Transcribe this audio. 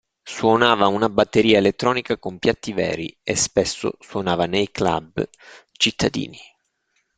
Suonava una batteria elettronica con piatti veri, e spesso suonava nei club cittadini.